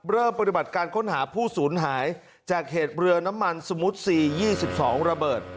เริ่มปฏิบัติการค้นหาผู้สูญหายจากเหตุเรือน้ำมันสมุทซี๒๒ระเบิด